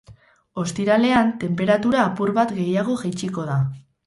Ostiralean, tenperatura apur bat gehiago jaitsiko da.